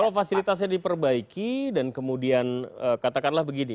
kalau fasilitasnya diperbaiki dan kemudian katakanlah begini